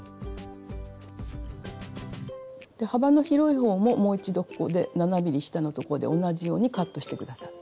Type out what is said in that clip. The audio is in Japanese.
で幅の広い方ももう一度ここで７ｍｍ下の所で同じようにカットして下さい。